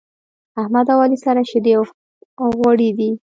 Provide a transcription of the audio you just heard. احمد او علي سره شيدې او غوړي دی.